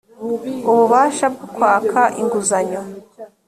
ububasha bwo kwaka inguzanyo